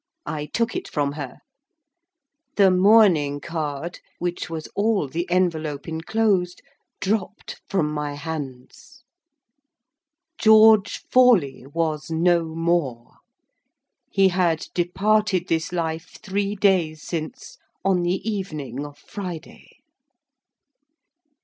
I took it from her. The mourning card, which was all the envelope enclosed, dropped from my hands. George Forley was no more. He had departed this life three days since, on the evening of Friday.